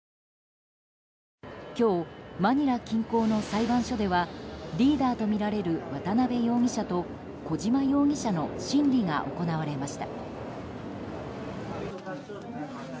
今日、マニラ近郊の裁判所ではリーダーとみられる渡邉容疑者と小島容疑者の審理が行われました。